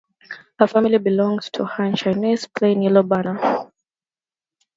Her family belonged to Han Chinese Plain Yellow Banner.